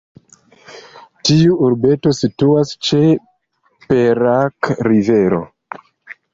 Tiu urbeto situas ĉe Perak Rivero.